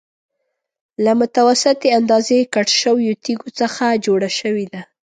له متوسطې اندازې کټ شویو تېږو څخه جوړه شوې ده.